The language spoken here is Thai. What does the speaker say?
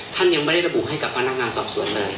ท่านยังไม่ได้ระบุให้กับท่านฝั่งสอบส่วน